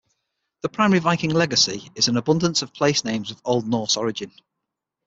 The primary Viking legacy is an abundance of placenames of Old Norse origin.